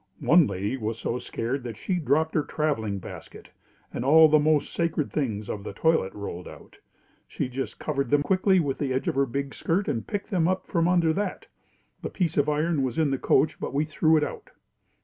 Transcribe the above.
One lady was so scared that she dropped her traveling basket and all the most sacred things of the toilet rolled out. She just covered them quickly with the edge of her big skirt and picked them up from under that. The piece of iron was in the coach, but we threw it out.